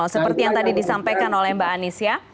seperti yang tadi disampaikan oleh mbak anies ya